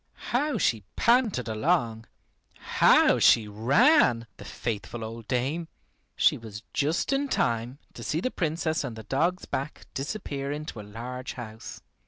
How she panted along! How she ran, the faithful old dame! She was just in time to see the Princess on the dog's back disappear into a large house.